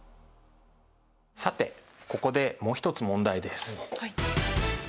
さてここでもう一つ問題です。